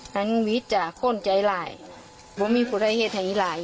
แห่งวิจัยคนใจร้ายไม่มีปฏิเสธให้ร้าย